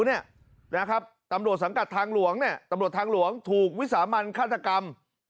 เนี่ยนะครับตำรวจสังกัดทางหลวงเนี่ยตำรวจทางหลวงถูกวิสามันฆาตกรรม